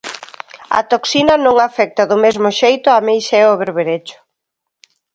A toxina non afecta do mesmo xeito a ameixa e o berberecho.